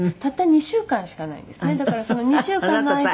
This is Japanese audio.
「だからその２週間の間に」